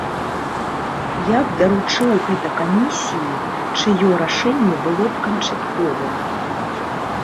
Я б даручыў гэта камісіі, чыё рашэнне было б канчатковым.